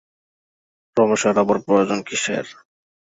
রমেশের আবার প্রয়োজন কিসের?